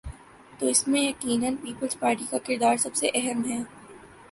تو اس میں یقینا پیپلزپارٹی کا کردار سب سے اہم ہے۔